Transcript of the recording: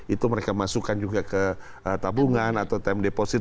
itu mereka masukkan juga ke tabungan atau time deposit